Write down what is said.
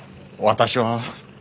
私は？